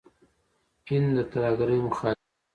هند د ترهګرۍ مخالف دی.